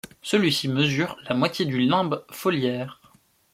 Celui-ci mesure la moitié du limbe foliaire.